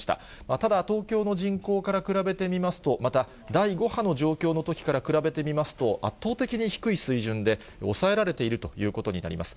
ただ、東京の人口から比べてみますと、また第５波の状況のときから比べてみますと、圧倒的に低い水準で抑えられているということになります。